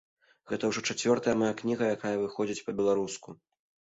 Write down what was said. Гэта ўжо чацвёртая мая кніга, якая выходзіць па-беларуску.